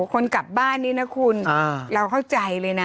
คนกลับบ้านนี่นะคุณเราเข้าใจเลยนะ